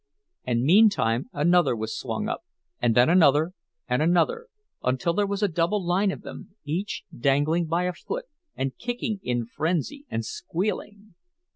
And meantime another was swung up, and then another, and another, until there was a double line of them, each dangling by a foot and kicking in frenzy—and squealing.